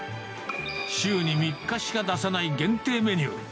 週に３日しか出さない限定メニュー。